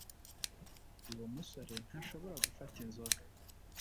Uwo musore ntashobora gufata inzoga